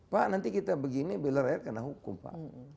pak nanti kita begini bela rakyat kena hukum pak